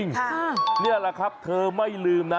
นี่แหละครับเธอไม่ลืมนะ